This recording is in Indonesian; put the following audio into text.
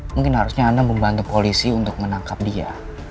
mungkin harusnya anda membantu polisi untuk menangkap dia